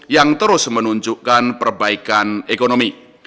yang terus menunjukkan perbaikan ekonomi